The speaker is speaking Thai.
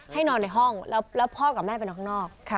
ให้นอนในห้องแล้วพ่อกับแม่ไปนอนข้างนอก